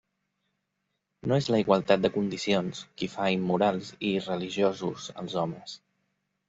No és la igualtat de condicions qui fa immorals i irreligiosos els homes.